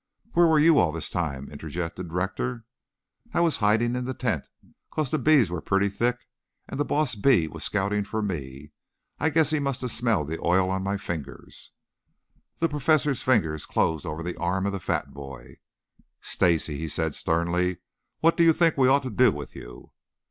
"Where were you all this time?" interjected Rector. "I was hiding in the tent, 'cause the bees were pretty thick, and the boss bee was scouting for me. I I guess he must have smelled the oil on my fingers." The Professor's fingers closed over the arm of the fat boy. "Stacy!" he said sternly. "What do you think we ought to do with you?"